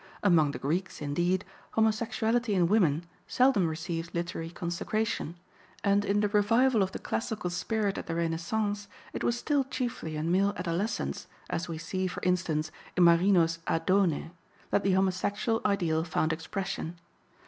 Among the Greeks, indeed, homosexuality in women seldom receives literary consecration, and in the revival of the classical spirit at the Renaissance it was still chiefly in male adolescents, as we see, for instance, in Marino's Adone, that the homosexual ideal found expression.